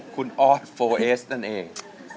คุณออสโฟเอสนั่นเอง